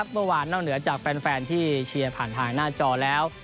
นอกเหนือจากแฟนที่เชียร์ผ่านทางหน้าจอแล้ว